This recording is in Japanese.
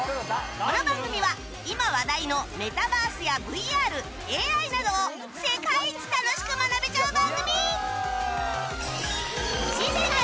この番組は今話題のメタバースや ＶＲＡＩ などを世界一楽しく学べちゃう番組！